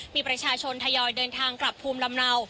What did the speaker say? มีประชาชนทยอยเดินทางกลับภูมิลำเนา